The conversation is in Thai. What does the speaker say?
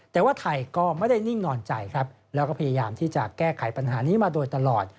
แต่ว่าไทยก็ไม่ได้นิ่งนอนใจครับแล้วก็พยายามที่จะแก้ไขปัญหานี้มาโดยตลอด